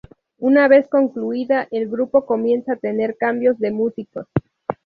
Una vez concluida, el grupo comienza a tener cambios de músicos.